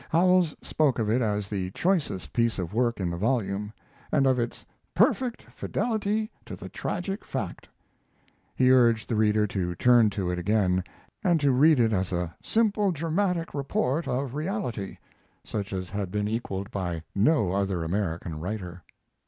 Howells spoke of it as the choicest piece of work in the volume, and of its "perfect fidelity to the tragic fact." He urged the reader to turn to it again, and to read it as a "simple dramatic report of reality," such as had been equaled by no other American writer.